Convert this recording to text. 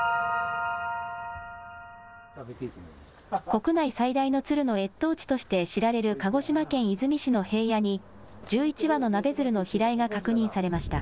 国内最大の鶴の越冬地として知られる鹿児島県出水市の平野に、１１羽のナベヅルの飛来が確認されました。